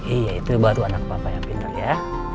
iya itu baru anak papa yang pintar ya